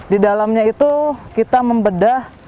di dalamnya itu kita membedah